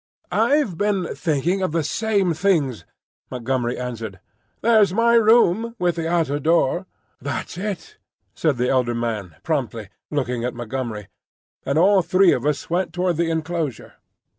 "I've been thinking of the same things," Montgomery answered. "There's my room with the outer door—" "That's it," said the elder man, promptly, looking at Montgomery; and all three of us went towards the enclosure.